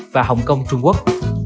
và hồng kông trung quốc